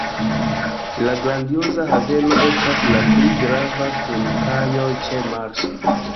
La Grandioza Haveno estas la pli grava, kun kajoj ĉe Marsa.